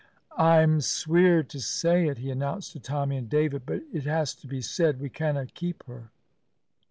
"I'm sweer to say it," he announced to Tommy and David, "but it has to be said. We canna keep her."